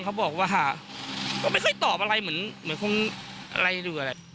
เขาบอกว่าหาก็ไม่ค่อยตอบอะไรเหมือนคงอะไรอยู่อะไร